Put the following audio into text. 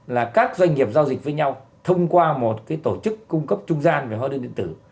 là các doanh nghiệp giao dịch với nhau thông qua một cái tổ chức cung cấp trung gian về hóa đơn điện tử